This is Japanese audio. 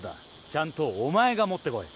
ちゃんとお前が持ってこい。